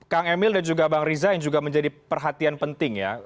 kang emil dan juga bang riza yang juga menjadi perhatian penting ya